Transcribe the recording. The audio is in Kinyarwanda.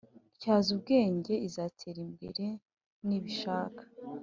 Tyazubwenge izatera imbere nibishaka